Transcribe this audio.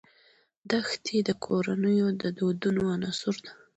دښتې د کورنیو د دودونو عنصر دی.